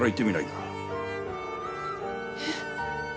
えっ。